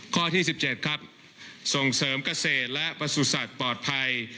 ข้อที่๑๗ครับส่งเสริมเกษตรและประสุทธิ์ปลอดภัย